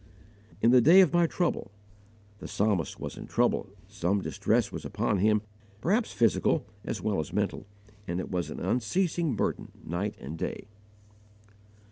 "In the day of my trouble." The Psalmist was in trouble; some distress was upon him, perhaps physical as well as mental, and it was an unceasing burden night and day.